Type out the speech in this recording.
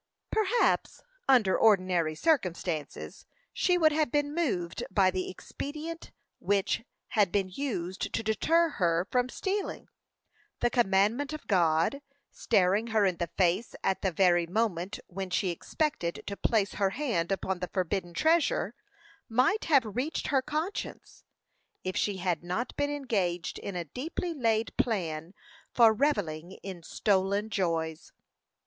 Perhaps, under ordinary circumstances, she would have been moved by the expedient which had been used to deter her from stealing. The commandment of God, staring her in the face at the very moment when she expected to place her hand upon the forbidden treasure, might have reached her conscience if she had not been engaged in a deeply laid plan for revelling in stolen joys.